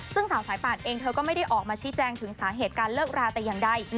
ซึ่งสาวสายป่านเองเธอก็ไม่ได้ออกมาชี้แจงถึงสาเหตุการเลิกราแต่อย่างใด